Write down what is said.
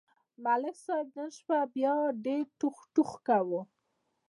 ملک صاحب نن شپه بیا ډېر ټوخ ټوخ کاوه.